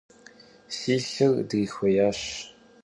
Si lhır drixuêyaş.